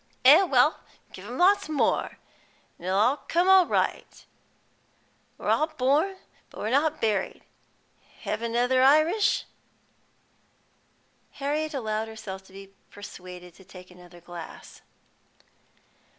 "Eh well, give him lots more, an' it'll all come right. We're all born, but we're not buried. Hev' another Irish?" Harriet allowed herself to be persuaded to take another glass.